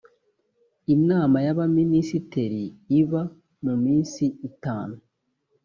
inama yabaminisitiri iba muminsi itanu